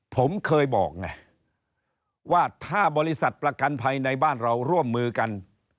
ผมเคยบอกไงว่าถ้าบริษัทประกันภัยในบ้านเราร่วมมือกัน